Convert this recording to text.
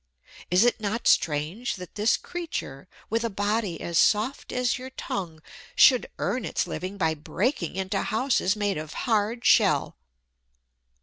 Is it not strange that this creature, with a body as soft as your tongue, should earn its living by breaking into houses made of hard shell!